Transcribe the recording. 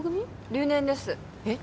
留年ですえっ？